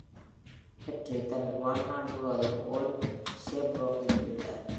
Petry தனது வாழ்நாள் முழுவதும் Old Saybrook-இல் இருந்தார்.